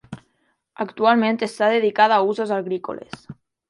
Actualment està dedicada a usos agrícoles.